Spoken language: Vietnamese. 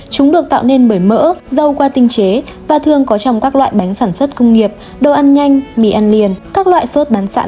chúng được tạo nên bởi mỡ dâu qua tinh chế và thường có trong các loại bánh sản xuất công nghiệp đồ ăn nhanh mì ăn liền các loại sốt bán sẵn